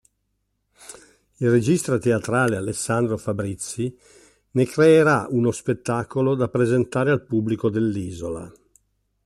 Il regista teatrale Alessandro Fabrizi ne creerà uno spettacolo da presentare al pubblico dell'isola.